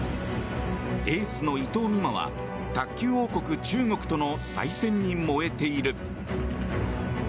エースの伊藤美誠は卓球王国・中国との再戦に燃えている。